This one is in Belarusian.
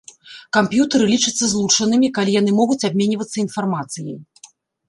Камп'ютары лічацца злучанымі, калі яны могуць абменьвацца інфармацыяй.